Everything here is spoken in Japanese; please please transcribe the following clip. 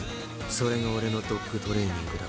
それが俺のドッグトレーニングだ。